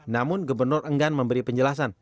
namun gubernur enggan memberi penjelasan